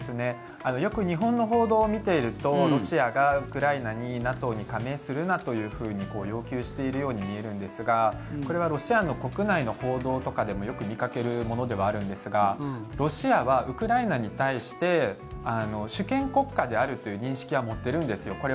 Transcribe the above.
よく日本の報道を見ているとロシアがウクライナにＮＡＴＯに加盟するなというふうに要求しているように見えるんですがこれはロシアの国内の報道とかでもよく見かけるものではあるんですがロシアはウクライナに対して主権国家であるという認識は持ってるんですよ。